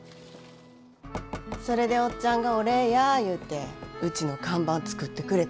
それでおっちゃんがお礼や言うてうちの看板作ってくれたんや。